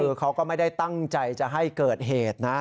คือเขาก็ไม่ได้ตั้งใจจะให้เกิดเหตุนะ